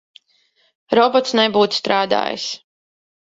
Robots nebūtu strādājis.